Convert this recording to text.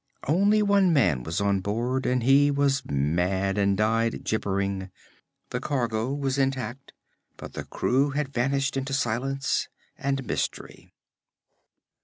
Only one man was on board, and he was mad and died gibbering. The cargo was intact, but the crew had vanished into silence and mystery.